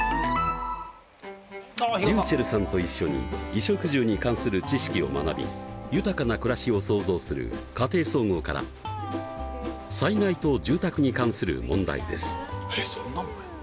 りゅうちぇるさんと一緒に衣食住に関する知識を学び豊かな暮らしを創造する「家庭総合」から災害と住宅に関する問題です。